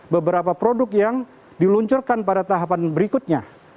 beberapa produk yang diluncurkan pada tahapan berikutnya